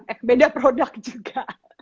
eh beda produk juga